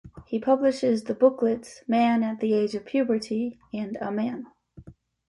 He publishes the booklets "Man at the Age of Puberty" and "A Man".